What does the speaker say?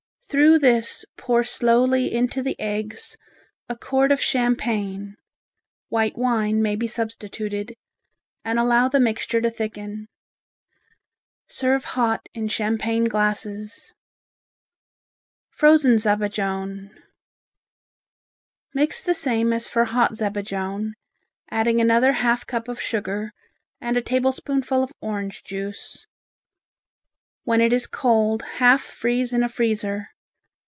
Through this pour slowly into the eggs a quart of champagne (white wine may be substituted), and allow the mixture to thicken. Serve hot in champagne glasses. Frozen Zabajone Mix the same as for hot zabajone, adding another half cup of sugar and a tablespoonful of orange juice. When it is cold half freeze in a freezer.